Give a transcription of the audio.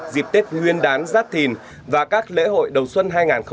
dịp tết nguyên đán giáp thìn và các lễ hội đầu xuân hai nghìn hai mươi bốn